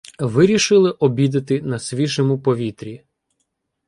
Вирішили обідати на свіжому повітрі.